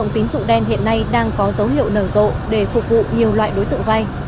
tín dụng đen hiện nay đang có dấu hiệu nở rộ để phục vụ nhiều loại đối tượng vay